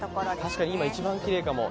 確かに今、一番きれいかも。